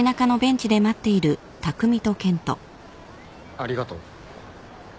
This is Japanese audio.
ありがとう。